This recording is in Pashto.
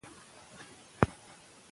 که سټاپ واچ وي نو وخت نه تېریږي.